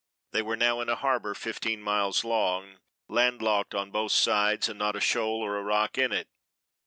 They were now in a harbor fifteen miles long, land locked on both sides, and not a shoal or a rock in it.